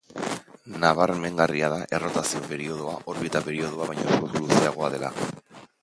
Nabarmengarria da errotazio periodoa orbita periodoa baino askoz luzeagoa dela.